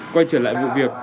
quay trở lại vụ việc